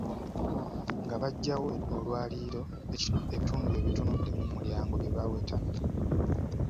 Nga baggyawo olwaliiro ebitundu ebitunudde ku mulyango bye baweta.